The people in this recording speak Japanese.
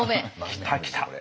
来た来た。